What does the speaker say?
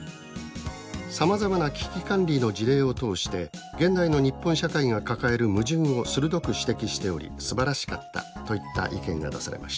さまざまな危機管理の事例を通して現代の日本社会が抱える矛盾を鋭く指摘しておりすばらしかった」といった意見が出されました。